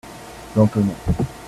Lentement.